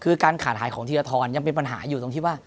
คือการขาดหายของธีรทรยังเป็นปัญหาอยู่ตรงที่ว่า